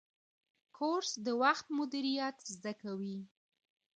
کورس د وخت مدیریت زده کوي.